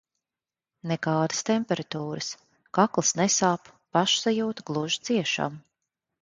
Nekādas temperatūras, kakls nesāp, pašsajūta gluži ciešama.